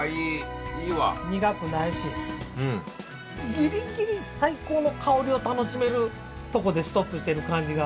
ギリギリ最高の香りを楽しめるとこでストップしてる感じが。